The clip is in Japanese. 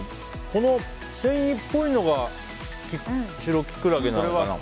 この繊維っぽいのがシロキクラゲなのかな。